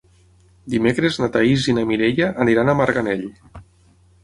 Dimecres na Thaís i na Mireia aniran a Marganell.